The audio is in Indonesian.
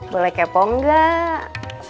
boleh kepo enggak